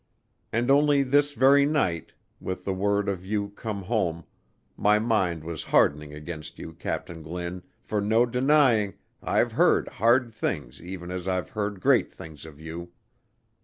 And only this very night, with the word of you come home, my mind was hardening against you, Captain Glynn, for no denying I've heard hard things even as I've heard great things of you.